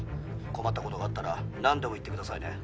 困ったことがあったらなんでも言ってくださいね。